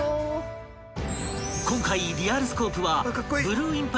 ［今回『リアルスコープ』は］